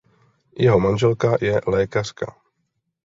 Jeho manželka je lékařka.